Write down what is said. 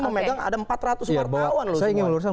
memegang ada empat ratus wartawan loh semua